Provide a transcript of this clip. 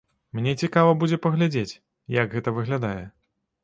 Мне цікава будзе паглядзець, як гэта выглядае.